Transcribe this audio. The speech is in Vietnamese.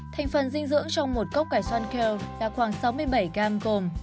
thành phần dinh dưỡng trong một cốc cải xoăn kale là khoảng sáu mươi bảy gram gồm